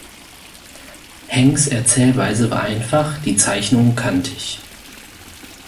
Hanks Erzählweise war einfach, die Zeichnungen kantig.